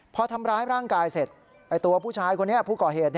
พอทำร้ายร่างกายเสร็จตัวผู้ชายคนนี้ผู้ก่อเหตุ